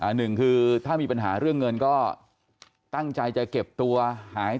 หนึ่งคือถ้ามีปัญหาเรื่องเงินก็ตั้งใจจะเก็บตัวหาย